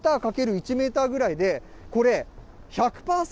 １メーターぐらいで、これ、１００％